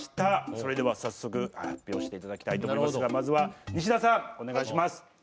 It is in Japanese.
それでは、早速発表していただきたいと思いますがまずは西田さん、お願いします。